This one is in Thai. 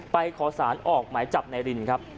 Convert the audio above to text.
ไปขอสารออกไหมจับนายลินครับ